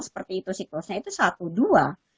seperti itu siklusnya itu satu dua